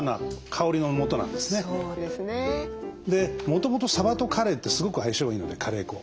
もともとさばとカレーってすごく相性がいいのでカレー粉。